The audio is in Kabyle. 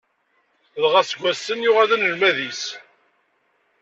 Dɣa seg wass-n yuɣal d anelmad-is.